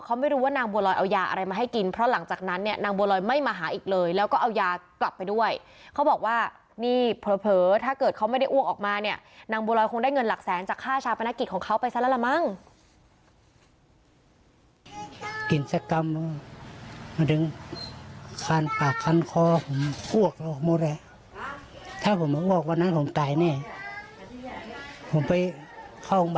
ถ้าเกิดเขาไม่ได้อ้วกออกมาเนี่ยนางโบรอยคงได้เงินหลักแสนจากค่าชาปนกิจของเขาไปซะแล้วละมั้ง